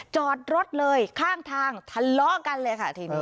จอดรถเลยข้างทางทะเลาะกันเลยค่ะทีนี้